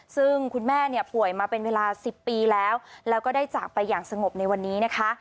ซึ่งคุณแม่เนี่ยป่วยมาเป็นเวลา๑๐ปีแล้วแล้วก็ได้จากไปอย่างสงบในวันนี้นะคะ